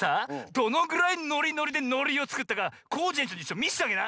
どのぐらいノリノリでノリをつくったかコージえんちょうにみせてあげな！